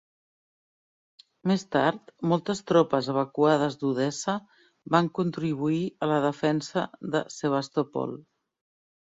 Més tard, moltes tropes evacuades d'Odessa van contribuir a la defensa de Sebastopol.